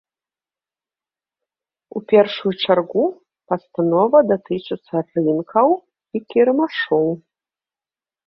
У першую чаргу пастанова датычыцца рынкаў і кірмашоў.